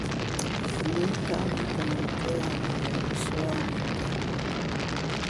Me ntap ntonte a ngu nsù a mentèn.